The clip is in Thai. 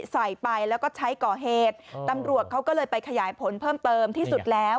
ใส่ไปแล้วก็ใช้ก่อเหตุตำรวจเขาก็เลยไปขยายผลเพิ่มเติมที่สุดแล้ว